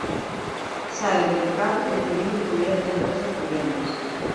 Sae ao mercado coincidindo co Día das Letras Asturianas.